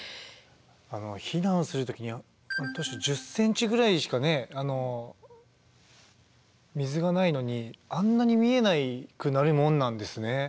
避難する時に１０ｃｍぐらいしかね水がないのにあんなに見えなくなるもんなんですね。